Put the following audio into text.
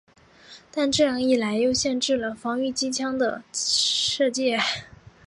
但这样一来又限制了防御机枪的射界。